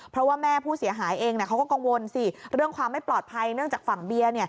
เพราะว่าแม่ผู้เสียหายเองเขาก็กังวลสิเรื่องความไม่ปลอดภัยเนื่องจากฝั่งเบียร์